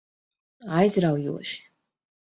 Aizraujoši.